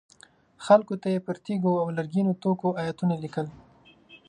خلکو ته یې پر تیږو او لرګینو توکو ایتونه لیکل.